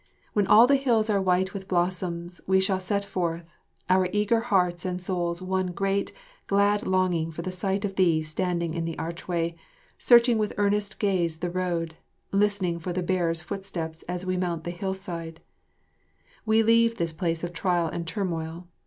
When all the hills are white with blossoms, we shall set forth, our eager hearts and souls one great, glad longing for the sight of thee standing in the archway, searching with earnest gaze the road, listening for the bearers' footsteps as we mount the hillside. [Illustration: Mylady31.] We leave this place of trial and turmoil.